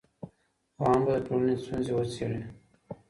پوهان به د ټولني ستونزې وڅېړي.